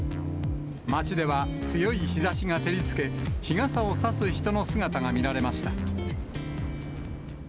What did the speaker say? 街では強い日ざしが照りつけ、日傘を差す人の姿が見られました。